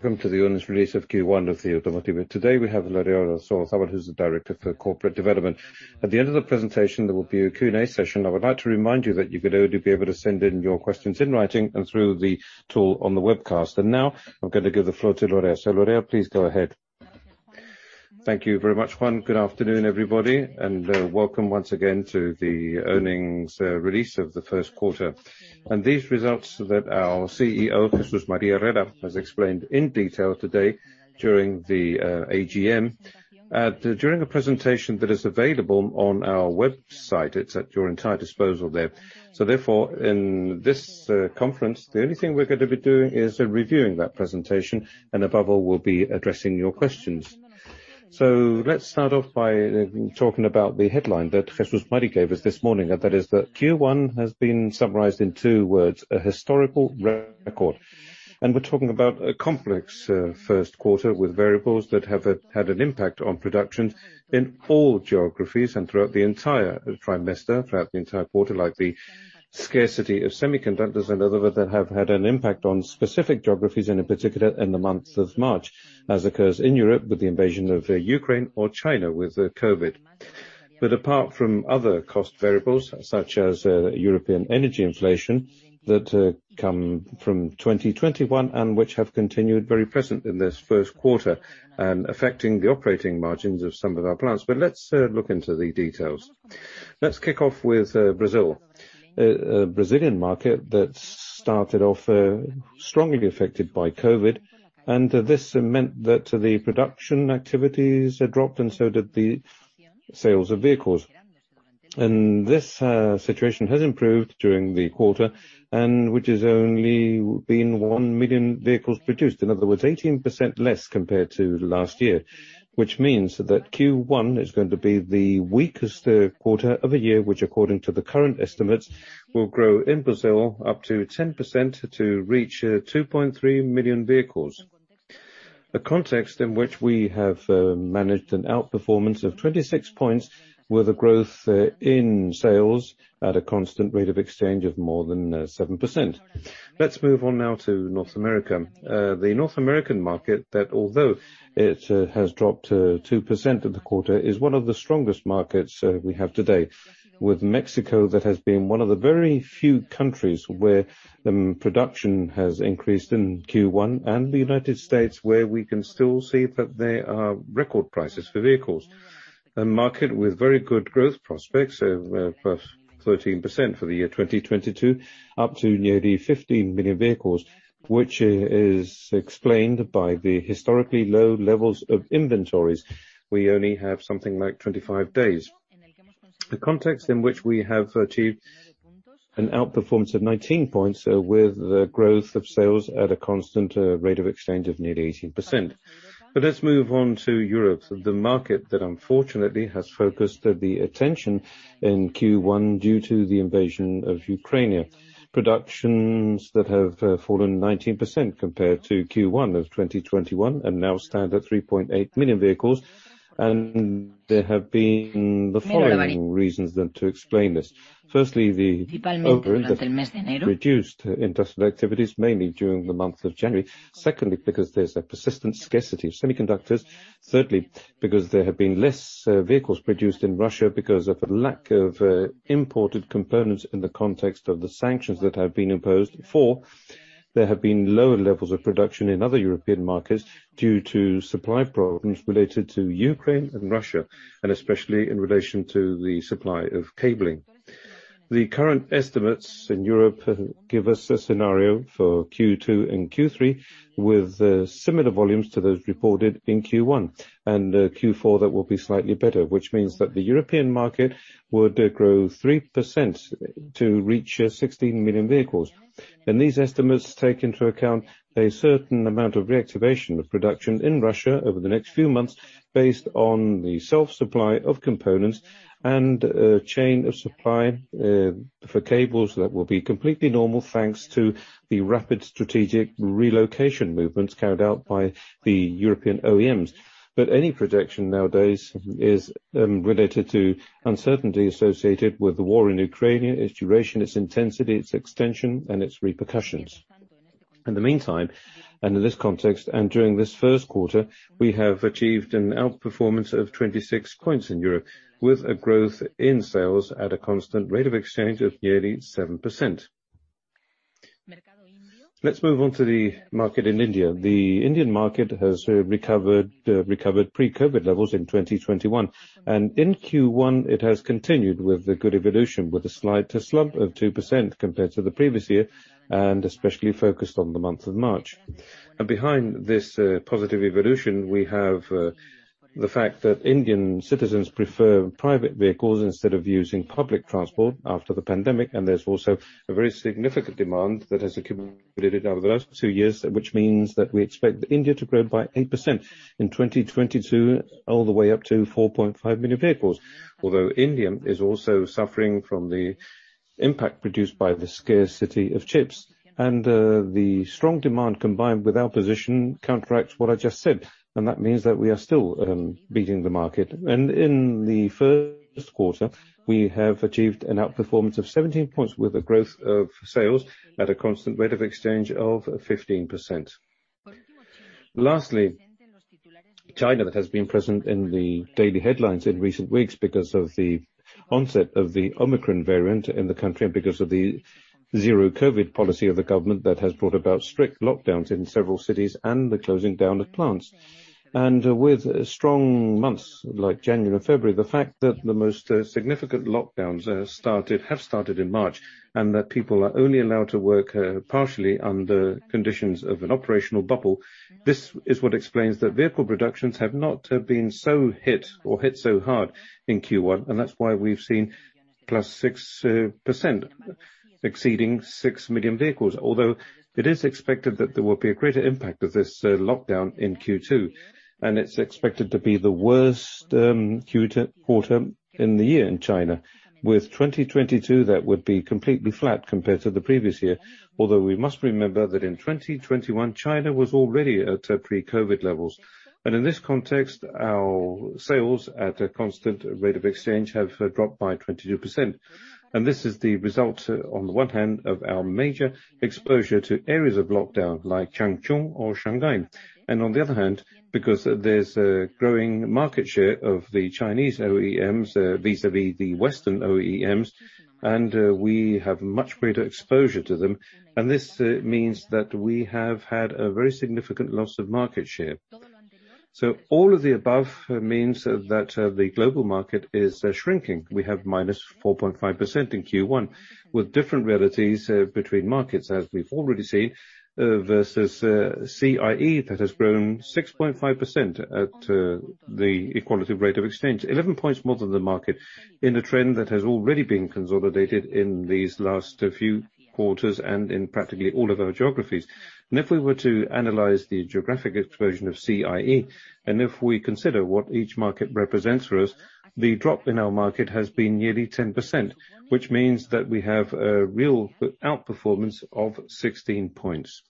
Welcome to the earnings release of Q1 of CIE Automotive. Today, we have Lorea Aristizabal with us, who's the Director for Corporate Development. At the end of the presentation, there will be a Q&A session. I would like to remind you that you could only be able to send in your questions in writing and through the tool on the webcast. Now, I'm gonna give the floor to Lorea. Lorea, please go ahead. Thank you very much, Juan. Good afternoon, everybody, and welcome once again to the earnings release of the first quarter. These results that our CEO, Jesús María Herrera, has explained in detail today during the AGM. During the presentation that is available on our website, it's at your entire disposal there. Therefore, in this conference, the only thing we're gonna be doing is reviewing that presentation, and above all, we'll be addressing your questions. Let's start off by talking about the headline that Jesús María gave us this morning, and that is that Q1 has been summarized in two words, a historical record. We're talking about a complex first quarter with variables that have had an impact on production in all geographies and throughout the entire quarter, like the scarcity of semiconductors and others that have had an impact on specific geographies, and in particular in the months of March, as occurs in Europe with the invasion of Ukraine or China with COVID. Apart from other cost variables, such as, European energy inflation that, come from 2021 and which have continued very present in this first quarter, affecting the operating margins of some of our plants. Let's look into the details. Let's kick off with Brazil. Brazilian market that started off strongly affected by COVID, and this meant that the production activities had dropped, and so did the sales of vehicles. This situation has improved during the quarter and which has only been 1 million vehicles produced. In other words, 18% less compared to last year. Which means that Q1 is going to be the weakest quarter of a year, which, according to the current estimates, will grow in Brazil up to 10% to reach 2.3 million vehicles. A context in which we have managed an outperformance of 26 points with a growth in sales at a constant rate of exchange of more than 7%. Let's move on now to North America. The North American market that although it has dropped 2% in the quarter is one of the strongest markets we have today. With Mexico, that has been one of the very few countries where production has increased in Q1, and the United States, where we can still see that there are record prices for vehicles. A market with very good growth prospects of 13% for the year 2022, up to nearly 15 million vehicles, which is explained by the historically low levels of inventories. We only have something like 25 days. The context in which we have achieved an outperformance of 19 points with the growth of sales at a constant rate of exchange of nearly 18%. Let's move on to Europe, the market that unfortunately has focused the attention in Q1 due to the invasion of Ukraine. Productions that have fallen 19% compared to Q1 of 2021 and now stand at 3.8 million vehicles, and there have been the following reasons then to explain this. Firstly, the overall reduced industrial activities, mainly during the month of January. Secondly, because there's a persistent scarcity of semiconductors. Thirdly, because there have been less vehicles produced in Russia because of a lack of imported components in the context of the sanctions that have been imposed. Four, there have been lower levels of production in other European markets due to supply problems related to Ukraine and Russia, and especially in relation to the supply of cabling. The current estimates in Europe give us a scenario for Q2 and Q3 with similar volumes to those reported in Q1, and a Q4 that will be slightly better, which means that the European market would grow 3% to reach 16 million vehicles. These estimates take into account a certain amount of reactivation of production in Russia over the next few months based on the self-supply of components and a chain of supply for cables that will be completely normal, thanks to the rapid strategic relocation movements carried out by the European OEMs. Any projection nowadays is related to uncertainty associated with the war in Ukraine, its duration, its intensity, its extension, and its repercussions. In the meantime, and in this context, and during this first quarter, we have achieved an outperformance of 26 points in Europe with a growth in sales at a constant rate of exchange of nearly 7%. Let's move on to the market in India. The Indian market has recovered pre-COVID levels in 2021. In Q1, it has continued with the good evolution, with a slight slump of 2% compared to the previous year, and especially focused on the month of March. Behind this positive evolution, we have the fact that Indian citizens prefer private vehicles instead of using public transport after the pandemic, and there's also a very significant demand that has accumulated over the last two years, which means that we expect India to grow by 8% in 2022 all the way up to 4.5 million vehicles. Although India is also suffering from the impact produced by the scarcity of chips, and the strong demand combined with our position counteracts what I just said. That means that we are still beating the market. In the first quarter, we have achieved an outperformance of 17 points with a growth of sales at a constant rate of exchange of 15%. Lastly, China has been present in the daily headlines in recent weeks because of the onset of the Omicron variant in the country and because of the zero COVID policy of the government that has brought about strict lockdowns in several cities and the closing down of plants. With strong months like January, February, the fact that the most significant lockdowns have started in March, and that people are only allowed to work partially under conditions of an operational bubble. This is what explains that vehicle productions have not been so hit or hit so hard in Q1, and that's why we've seen +6% exceeding 6 million vehicles. Although it is expected that there will be a greater impact of this lockdown in Q2, and it's expected to be the worst quarter in the year in China with 2022 that would be completely flat compared to the previous year. Although we must remember that in 2021, China was already at pre-COVID levels. In this context, our sales at a constant rate of exchange have dropped by 22%. This is the result on the one hand of our major exposure to areas of lockdown like Chongqing or Shanghai. On the other hand, because there's a growing market share of the Chinese OEMs vis-à-vis the Western OEMs, and we have much greater exposure to them. This means that we have had a very significant loss of market share. All of the above means that the global market is shrinking. We have -4.5% in Q1 with different realities between markets, as we've already seen, versus CIE that has grown 6.5% at the constant rate of exchange. 11 points more than the market in a trend that has already been consolidated in these last few quarters and in practically all of our geographies. If we were to analyze the geographic exposure of CIE, and if we consider what each market represents for us, the drop in our market has been nearly 10%, which means that we have a real outperformance of 16 points.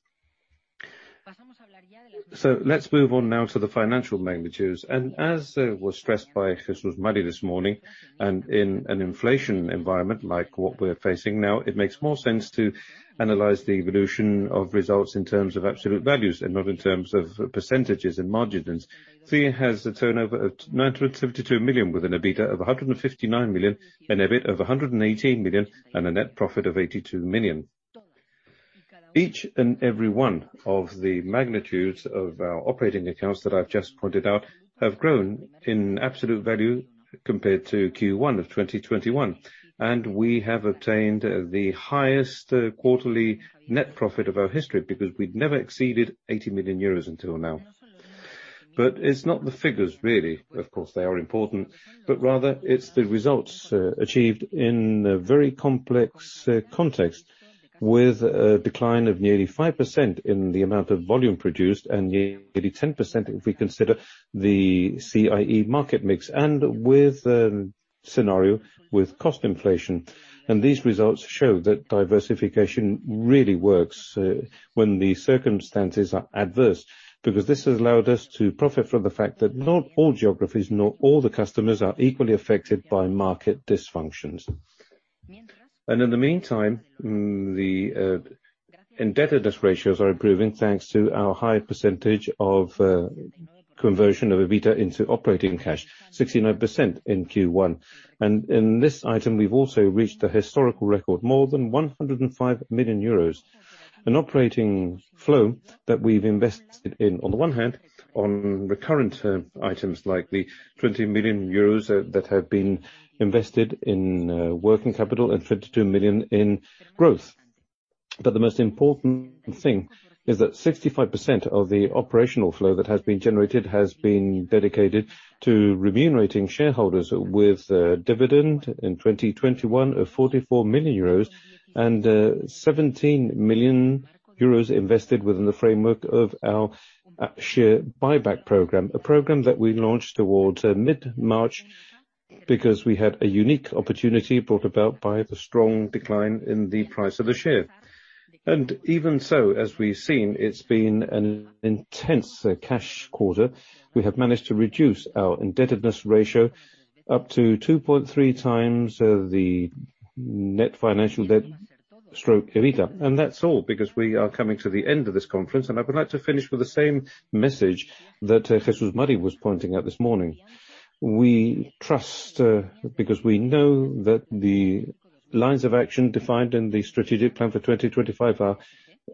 Let's move on now to the financial magnitudes. As was stressed by Jesús Mari this morning, and in an inflation environment like what we're facing now, it makes more sense to analyze the evolution of results in terms of absolute values and not in terms of percentages and margins. CIE has a turnover of 972 million with an EBITDA of 159 million and EBIT of 118 million and a net profit of 82 million. Each and every one of the magnitudes of our operating accounts that I've just pointed out have grown in absolute value compared to Q1 of 2021. We have obtained the highest quarterly net profit of our history because we'd never exceeded 80 million euros until now. It's not the figures, really. Of course, they are important, but rather it's the results achieved in a very complex context with a decline of nearly 5% in the amount of volume produced and nearly 10% if we consider the CIE market mix and with scenario with cost inflation. These results show that diversification really works when the circumstances are adverse, because this has allowed us to profit from the fact that not all geographies, not all the customers are equally affected by market dysfunctions. In the meantime, the indebtedness ratios are improving, thanks to our high percentage of conversion of EBITDA into operating cash, 69% in Q1. In this item, we've also reached a historical record, more than 105 million euros. Operating cash flow that we've invested in, on the one hand, on recurrent term items like the 20 million euros that have been invested in working capital and 22 million in growth. The most important thing is that 65% of the operating cash flow that has been generated has been dedicated to remunerating shareholders with a dividend in 2021 of 44 million euros and 17 million euros invested within the framework of our share buyback program, a program that we launched towards mid-March because we had a unique opportunity brought about by the strong decline in the price of the share. Even so, as we've seen, it's been an intense cash quarter. We have managed to reduce our indebtedness ratio up to 2.3 times, the net financial debt / EBITDA. That's all because we are coming to the end of this conference, and I would like to finish with the same message that Jesús Mari was pointing out this morning. We trust because we know that the lines of action defined in the strategic plan for 2025 are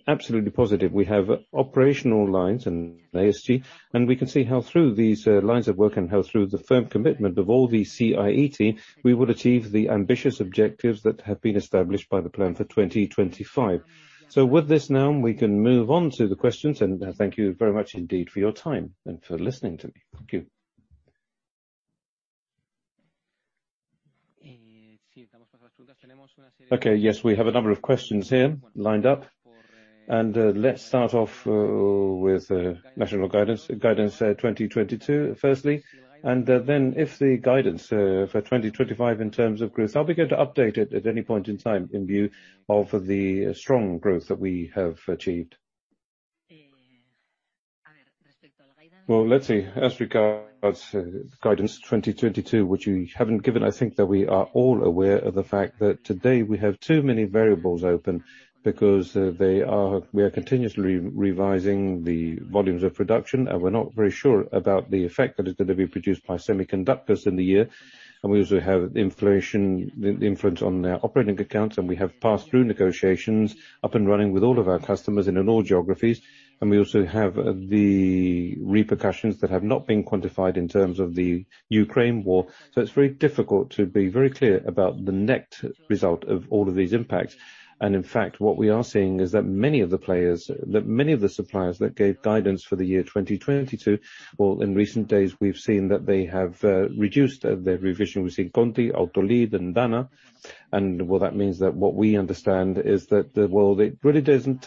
absolutely positive. We have operational lines in ESG, and we can see how through these lines of work and how through the firm commitment of all the CIE team, we will achieve the ambitious objectives that have been established by the plan for 2025. With this now, we can move on to the questions, and thank you very much indeed for your time and for listening to me. Thank you. Okay. Yes, we have a number of questions here lined up. Let's start off with analyst guidance, Guidance 2022, firstly. Then if the guidance for 2025 in terms of growth, are we going to update it at any point in time in view of the strong growth that we have achieved? Well, let's see. As regards guidance 2022, which you haven't given, I think that we are all aware of the fact that today we have too many variables open. Because we are continuously revising the volumes of production, and we're not very sure about the effect that is going to be produced by semiconductors in the year. We also have inflation influence on our operating accounts, and we have pass-through negotiations up and running with all of our customers and in all geographies. We also have the repercussions that have not been quantified in terms of the Ukraine war. It's very difficult to be very clear about the net result of all of these impacts. In fact, what we are seeing is that many of the players, that many of the suppliers that gave guidance for the year 2022, well, in recent days we've seen that they have reduced their revision. We've seen Continental, Autoliv, and Dana. Well, that means that what we understand is that, well, it really doesn't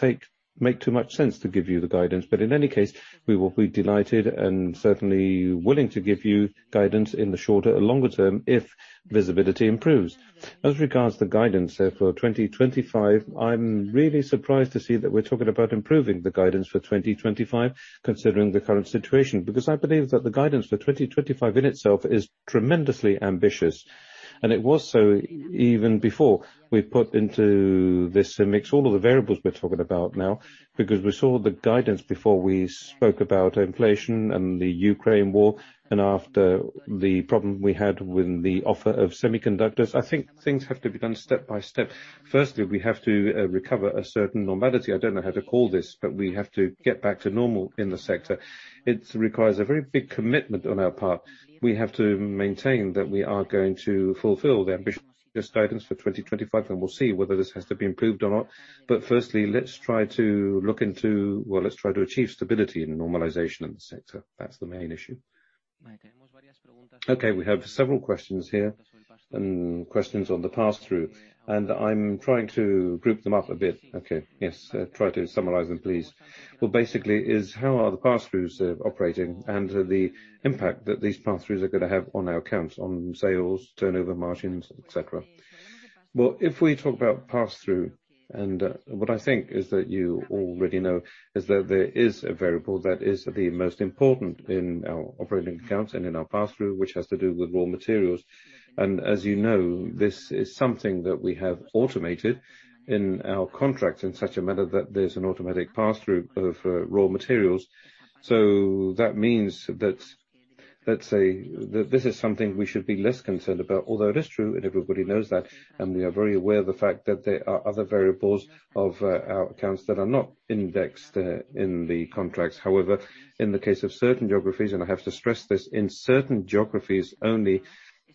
make too much sense to give you the guidance. In any case, we will be delighted and certainly willing to give you guidance in the shorter or longer term if visibility improves. As regards to the guidance, say, for 2025, I'm really surprised to see that we're talking about improving the guidance for 2025, considering the current situation, because I believe that the guidance for 2025 in itself is tremendously ambitious. It was so even before we put into this mix all of the variables we're talking about now, because we saw the guidance before we spoke about inflation and the Ukraine war and after the problem we had with the shortage of semiconductors. I think things have to be done step by step. Firstly, we have to recover a certain normality. I don't know how to call this, but we have to get back to normal in the sector. It requires a very big commitment on our part. We have to maintain that we are going to fulfill the ambitious guidance for 2025, and we'll see whether this has to be improved or not. Well, let's try to achieve stability and normalization in the sector. That's the main issue. Okay, we have several questions here, and questions on the pass-through. I'm trying to group them up a bit. Okay. Yes. Try to summarize them, please. Well, basically, is how are the pass-throughs operating and the impact that these pass-throughs are gonna have on our accounts, on sales, turnover margins, etc? Well, if we talk about pass-through, and what I think is that you already know is that there is a variable that is the most important in our operating accounts and in our pass-through, which has to do with raw materials. As you know, this is something that we have automated in our contracts in such a manner that there's an automatic pass-through of raw materials. That means that, let's say, this is something we should be less concerned about, although it is true, and everybody knows that, and we are very aware of the fact that there are other variables of our accounts that are not indexed in the contracts. However, in the case of certain geographies, and I have to stress this, in certain geographies only,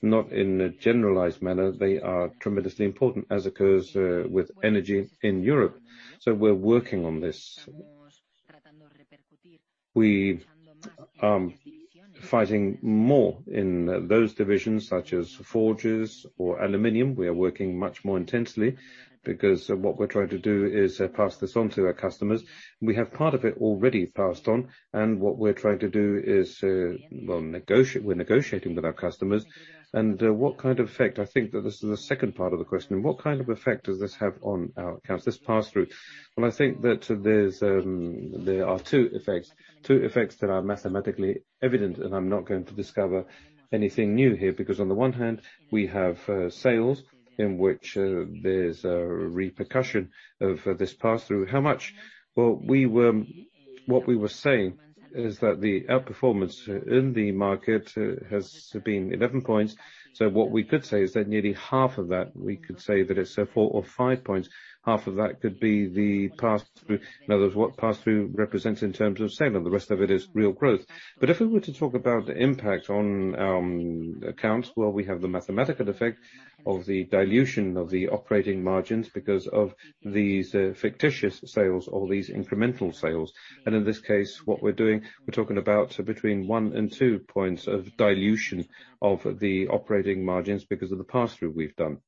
not in a generalized manner, they are tremendously important, as occurs with energy in Europe. We're working on this. We fighting more in those divisions, such as forges or aluminum. We are working much more intensely because what we're trying to do is pass this on to our customers. We have part of it already passed on, and what we're trying to do is, well, negotiate. We're negotiating with our customers. I think that this is the second part of the question. What kind of effect does this have on our accounts, this pass-through? Well, I think that there are two effects that are mathematically evident, and I'm not going to discover anything new here, because on the one hand, we have sales in which there's a repercussion of this pass-through. How much? Well, what we were saying is that our performance in the market has been 11%. So what we could say is that nearly half of that, we could say that it's 4 or 5%. Half of that could be the pass-through. In other words, what pass-through represents in terms of sale. The rest of it is real growth. If we were to talk about the impact on accounts, well, we have the mathematical effect of the dilution of the operating margins because of these fictitious sales or these incremental sales. In this case, what we're doing, we're talking about between one and two points of dilution of the operating margins because of the pass-through we've done.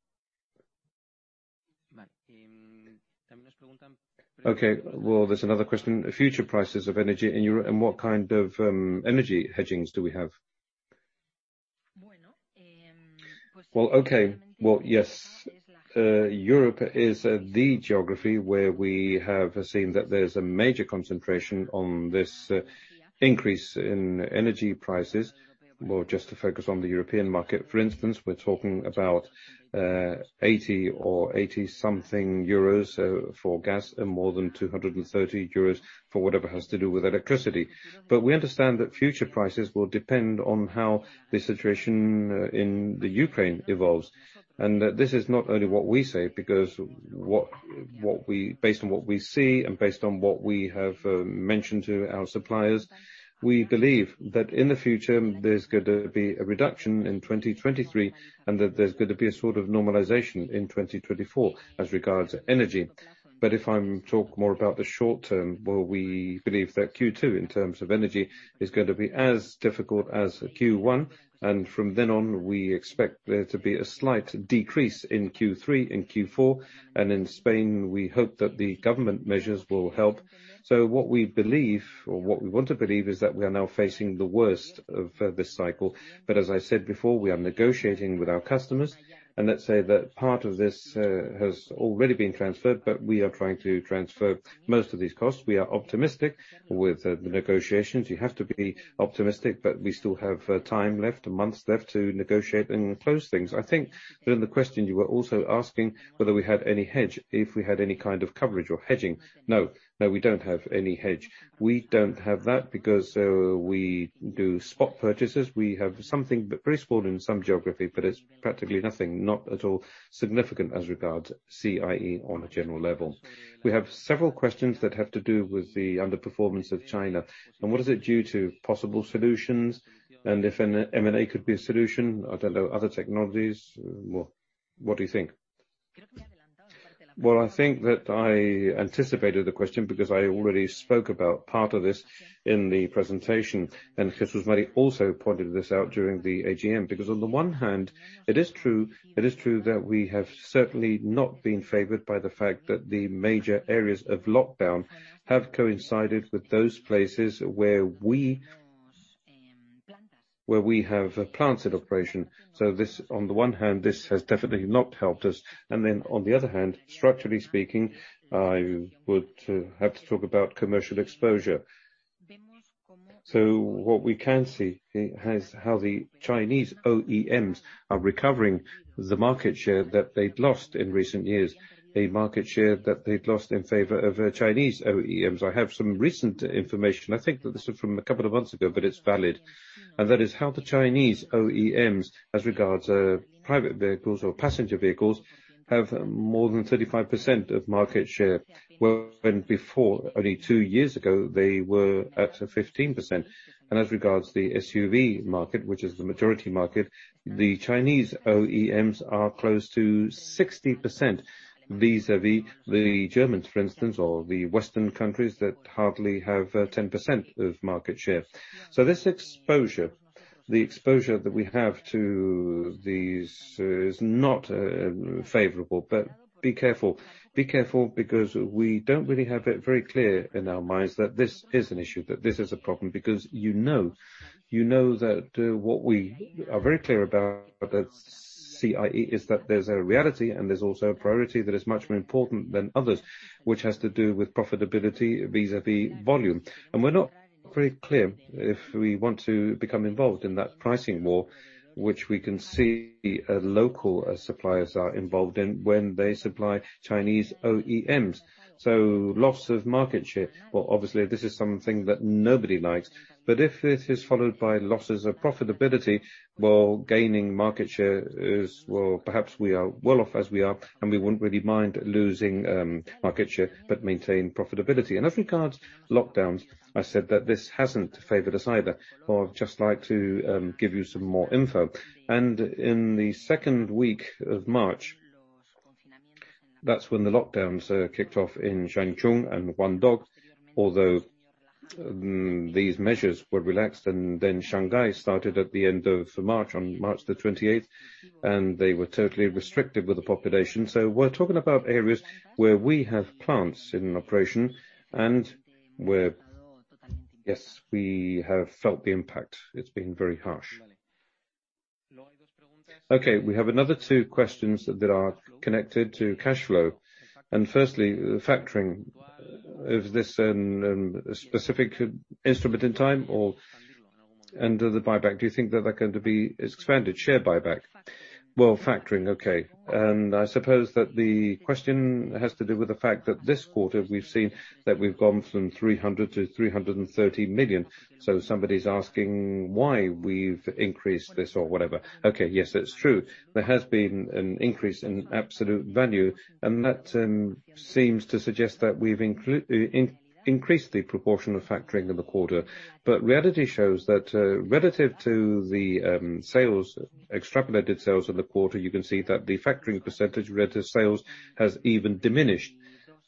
Okay, well, there's another question. Future prices of energy in Europe and what kind of energy hedging do we have? Well, okay. Well, yes, Europe is the geography where we have seen that there's a major concentration on this increase in energy prices. Well, just to focus on the European market, for instance, we're talking about 80 or 80-something euros for gas and more than 230 euros for whatever has to do with electricity. We understand that future prices will depend on how the situation in the Ukraine evolves. This is not only what we say because based on what we see and based on what we have mentioned to our suppliers, we believe that in the future, there's gonna be a reduction in 2023, and that there's gonna be a sort of normalization in 2024 as regards energy. If I'm talking more about the short term, well, we believe that Q2, in terms of energy, is gonna be as difficult as Q1. From then on, we expect there to be a slight decrease in Q3 and Q4. In Spain, we hope that the government measures will help. What we believe or what we want to believe is that we are now facing the worst of this cycle. As I said before, we are negotiating with our customers, and let's say that part of this has already been transferred, but we are trying to transfer most of these costs. We are optimistic with the negotiations. You have to be optimistic, but we still have time left, months left to negotiate and close things. I think that in the question you were also asking whether we had any hedge, if we had any kind of coverage or hedging. No, we don't have any hedge. We don't have that because we do spot purchases. We have something very small in some geography, but it's practically nothing, not at all significant as regards CIE on a general level. We have several questions that have to do with the underperformance of China and what it is due to, possible solutions, and if an M&A could be a solution. I don't know, other technologies. Well, what do you think? Well, I think that I anticipated the question because I already spoke about part of this in the presentation, and Jesús Mari also pointed this out during the AGM. Because on the one hand, it is true that we have certainly not been favored by the fact that the major areas of lockdown have coincided with those places where we have plants in operation. On the one hand, this has definitely not helped us. On the other hand, structurally speaking, I would have to talk about commercial exposure. What we can see is how the Chinese OEMs are recovering the market share that they'd lost in recent years, a market share that they'd lost in favor of Chinese OEMs. I have some recent information. I think that this is from a couple of months ago, but it's valid. That is how the Chinese OEMs, as regards private vehicles or passenger vehicles, have more than 35% of market share, whereas when before, only two years ago, they were at 15%. As regards the SUV market, which is the majority market, the Chinese OEMs are close to 60% vis-à-vis the Germans, for instance, or the Western countries that hardly have 10% of market share. This exposure, the exposure that we have to these is not favorable. Be careful because we don't really have it very clear in our minds that this is an issue, that this is a problem, because you know that what we are very clear about at CIE is that there's a reality and there's also a priority that is much more important than others, which has to do with profitability vis-à-vis volume. We're not very clear if we want to become involved in that pricing war, which we can see local suppliers are involved in when they supply Chinese OEMs. Loss of market share. Well, obviously, this is something that nobody likes. If it is followed by losses of profitability, well, gaining market share is. Well, perhaps we are well off as we are, and we wouldn't really mind losing market share, but maintain profitability. As regards lockdowns, I said that this hasn't favored us either. Well, I'd just like to give you some more info. In the second week of March, that's when the lockdowns kicked off in Changchun and Guangdong, although these measures were relaxed, and then Shanghai started at the end of March, on March 28, and they were totally restrictive with the population. We're talking about areas where we have plants in operation and where, yes, we have felt the impact. It's been very harsh. Okay, we have another two questions that are connected to cash flow. Firstly, factoring, is this a specific instrument in time or. The buyback, do you think that they're going to be expanded, share buyback? Well, factoring, okay. I suppose that the question has to do with the fact that this quarter we've seen that we've gone from 300 million to 330 million. Somebody's asking why we've increased this or whatever. Okay, yes, it's true. There has been an increase in absolute value, and that seems to suggest that we've increased the proportion of factoring in the quarter. Reality shows that, relative to the sales, extrapolated sales in the quarter, you can see that the factoring percentage relative to sales has even diminished.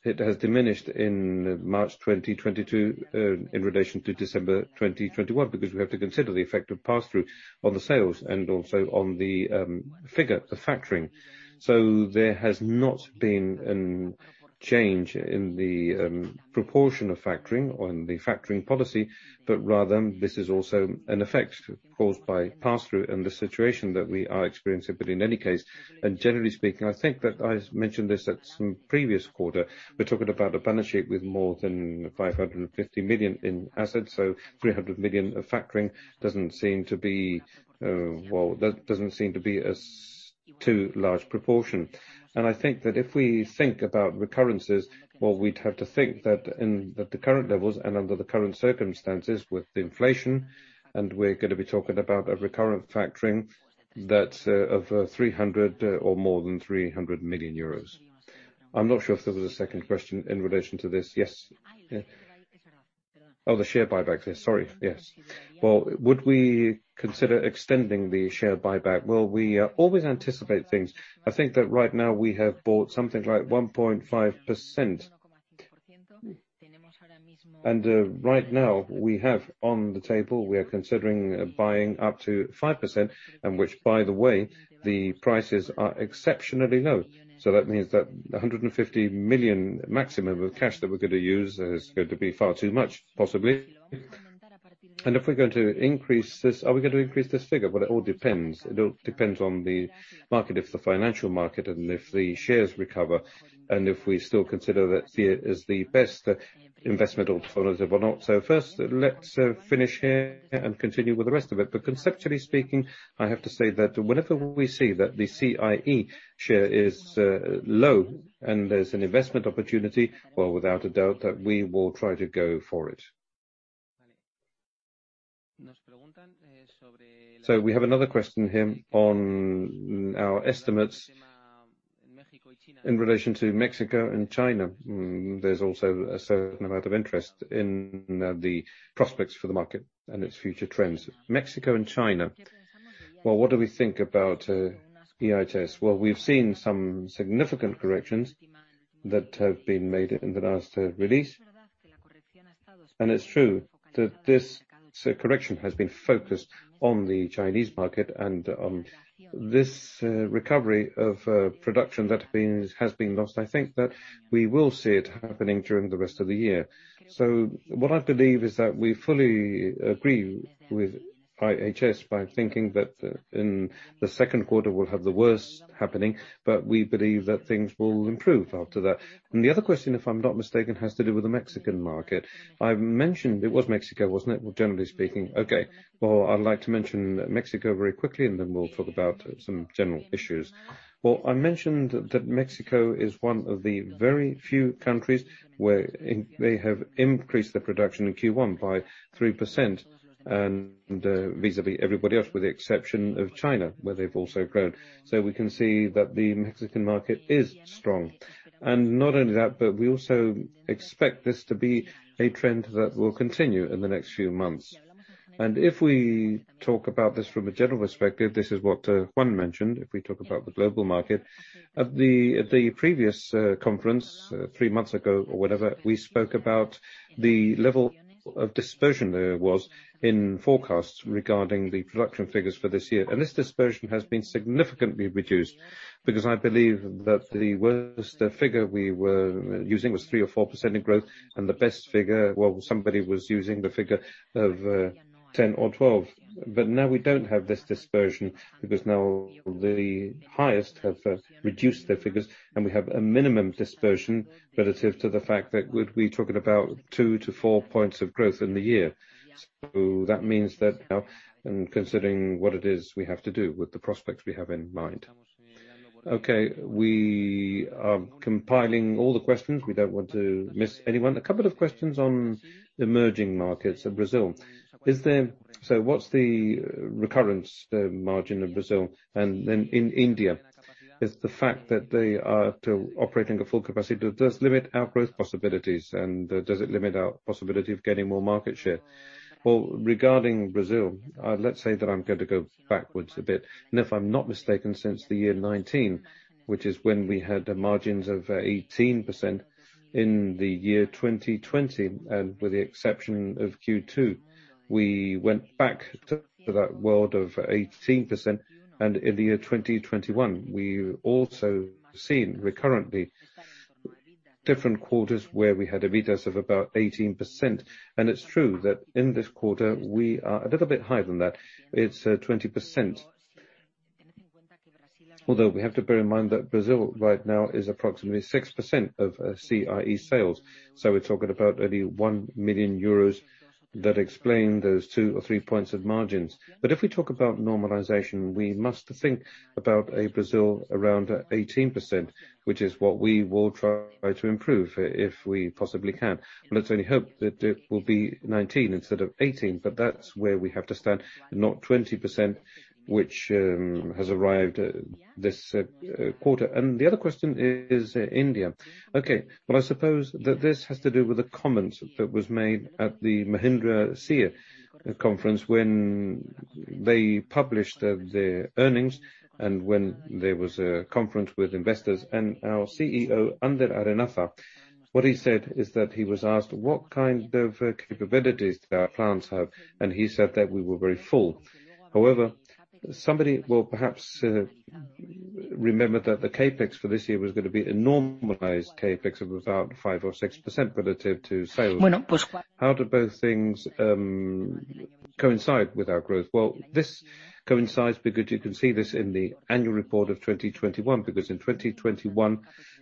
It has diminished in March 2022 in relation to December 2021, because we have to consider the effect of pass-through on the sales and also on the figure, the factoring. There has not been a change in the proportion of factoring or in the factoring policy, but rather this is also an effect caused by pass-through and the situation that we are experiencing. In any case, and generally speaking, I think that I mentioned this at some previous quarter, we're talking about a balance sheet with more than 550 million in assets. 300 million of factoring doesn't seem to be, well, that doesn't seem to be too large proportion. I think that if we think about recurring, well, we'd have to think that at the current levels and under the current circumstances with inflation, and we're gonna be talking about a recurrent factoring that of 300 or more than 300 million euros. I'm not sure if there was a second question in relation to this. Yes. Oh, the share buyback. Sorry. Yes. Well, would we consider extending the share buyback? Well, we always anticipate things. I think that right now we have bought something like 1.5%. Right now, we have on the table, we are considering buying up to 5%, and which, by the way, the prices are exceptionally low. So that means that 150 million maximum of cash that we're gonna use is going to be far too much, possibly. If we're going to increase this, are we gonna increase this figure? Well, it all depends. It all depends on the market, if the financial market, and if the shares recover, and if we still consider that CIE is the best investment alternative or not. First, let's finish here and continue with the rest of it. Conceptually speaking, I have to say that whenever we see that the CIE share is low and there's an investment opportunity, well, without a doubt, that we will try to go for it. We have another question here on our estimates in relation to Mexico and China. There's also a certain amount of interest in the prospects for the market and its future trends. Mexico and China. Well, what do we think about IHS? Well, we've seen some significant corrections that have been made in the last release. And it's true that this correction has been focused on the Chinese market and on this recovery of production that has been lost. I think that we will see it happening during the rest of the year. What I believe is that we fully agree with IHS by thinking that, in the second quarter, we'll have the worst happening, but we believe that things will improve after that. The other question, if I'm not mistaken, has to do with the Mexican market. I mentioned it was Mexico, wasn't it? Well, generally speaking. Okay. Well, I'd like to mention Mexico very quickly, and then we'll talk about some general issues. Well, I mentioned that Mexico is one of the very few countries where they have increased their production in Q1 by 3% and, vis-à-vis everybody else, with the exception of China, where they've also grown. We can see that the Mexican market is strong. Not only that, but we also expect this to be a trend that will continue in the next few months. If we talk about this from a general perspective, this is what Juan mentioned. If we talk about the global market. At the previous conference three months ago or whatever, we spoke about the level of dispersion there was in forecasts regarding the production figures for this year. This dispersion has been significantly reduced because I believe that the worst figure we were using was 3% or 4% growth and the best figure, well, somebody was using the figure of 10% or 12%. Now we don't have this dispersion because now the highest have reduced their figures, and we have a minimum dispersion relative to the fact that we're talking about two to four points of growth in the year. That means that now and considering what it is we have to do with the prospects we have in mind. Okay. We are compiling all the questions. We don't want to miss anyone. A couple of questions on emerging markets in Brazil. What's the current margin in Brazil and in India? Is the fact that they are still operating at full capacity does limit our growth possibilities, and does it limit our possibility of getting more market share? Well, regarding Brazil, let's say that I'm going to go backwards a bit, and if I'm not mistaken, since 2019, which is when we had margins of 18% in 2020, and with the exception of Q2, we went back to that world of 18%. In the year 2021, we also seen recurrently different quarters where we had EBITDA of about 18%. It's true that in this quarter we are a little bit higher than that. It's 20%. Although we have to bear in mind that Brazil right now is approximately 6% of CIE sales. So we're talking about only 1 million euros that explain those two or three points of margins. If we talk about normalization, we must think about a Brazil around 18%, which is what we will try to improve if we possibly can. Let's only hope that it will be 19% instead of 18%. That's where we have to stand, not 20%, which has arrived this quarter. The other question is India. Okay. Well, I suppose that this has to do with the comments that was made at the Mahindra CIE conference when they published their earnings and when there was a conference with investors and our CEO, Ander Arenaza. What he said is that he was asked what kind of capabilities do our plants have, and he said that we were very full. However, somebody will perhaps remember that the CapEx for this year was going to be a normalized CapEx of about 5% or 6% relative to sales. How do both things coincide with our growth? Well, this coincides because you can see this in the annual report of 2021, because in 2021,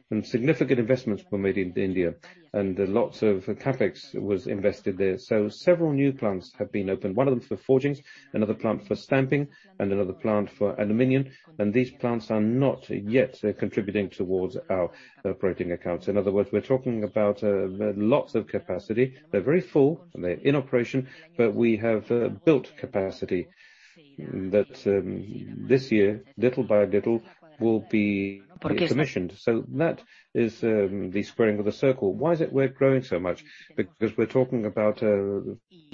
when significant investments were made in India and lots of CapEx was invested there. Several new plants have been opened, one of them for forgings, another plant for stamping, and another plant for aluminum. These plants are not yet contributing towards our operating accounts. In other words, we're talking about lots of capacity. They're very full, and they're in operation. We have built capacity that this year, little by little, will be commissioned. That is the squaring of the circle. Why is it we're growing so much? We're talking about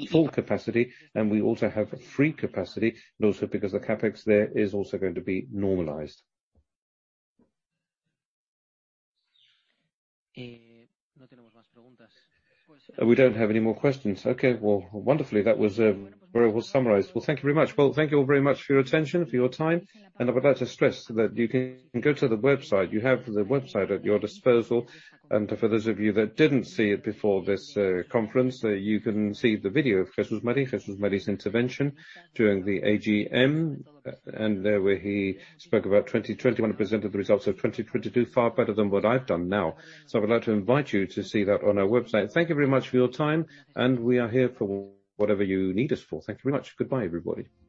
full capacity, and we also have free capacity, and also because the CapEx there is also going to be normalized. We don't have any more questions. Okay. Well, wonderfully, that was very well summarized. Well, thank you very much. Well, thank you all very much for your attention, for your time. I would like to stress that you can go to the website. You have the website at your disposal. For those of you that didn't see it before this conference, you can see the video of Jesús María Herrera's intervention during the AGM. There, where he spoke about 2020 when he presented the results of 2022, far better than what I've done now. I would like to invite you to see that on our website. Thank you very much for your time, and we are here for whatever you need us for. Thank you very much. Goodbye, everybody.